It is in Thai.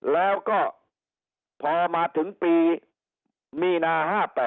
แล้วก็พอมาถึงปีมีนา๕๘